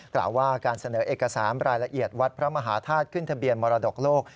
กล่าวว่าการเสนอเอกสารรายละเอียดวัดพระมหาธาตุขึ้นทะเบียนมรดกโลก